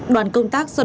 đoàn công tác do đảng